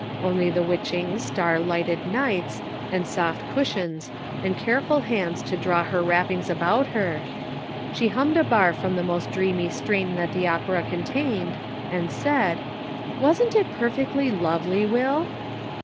Only the witching star lighted nights, and soft Measured by Daylight. 275 cushions, and careful hands to draw her wrap pings about her. She hummed a bar from the most dreamy strain that the opera contained, and said :" Wasn't it perfectly lovely, Will